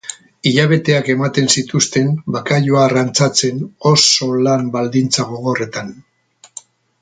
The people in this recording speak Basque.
Hilabeteak ematen zituzten bakailaoa arrantzatzen oso lan baldintza gogorretan.